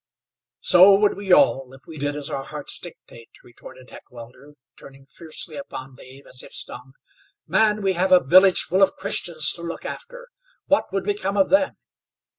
"So would we all, if we did as our hearts dictate," retorted Heckewelder, turning fiercely upon Dave as if stung. "Man! we have a village full of Christians to look after. What would become of them?